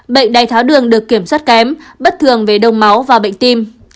bệnh đai tháo đường được kiểm soát kém bất thường về đông máu và bệnh tim